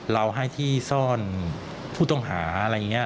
เราให้ที่ซ่อนผู้ต้องหาอะไรอย่างนี้